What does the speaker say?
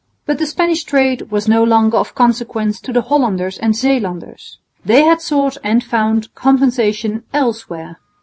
But the Spanish trade was no longer of consequence to the Hollanders and Zeelanders. They had sought and found compensation elsewhere.